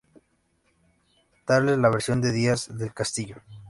Tal es la versión de Díaz del Castillo.